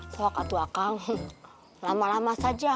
soal katu akang lama lama saja